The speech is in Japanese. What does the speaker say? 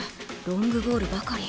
ロングボールばかり。